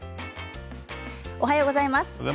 おはようございます。